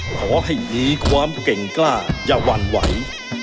ขอให้มีความเก่งกล้าอย่าหวั่นไหว